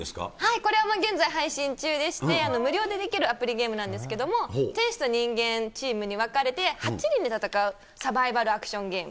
これは現在配信中でして、無料でできるアプリゲームなんですけれども、天使と人間チームに分かれて、８人で戦うサバイバルアクションゲーム。